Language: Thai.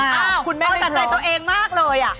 อ้าวคุณแม่ไม่พร้อมเอาแต่ใจตัวเองมากเลย